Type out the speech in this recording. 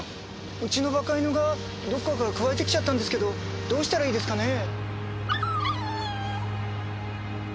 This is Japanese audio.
うちのバカ犬がどっかからかくわえてきちゃったんですけどどうしたらいいですかね？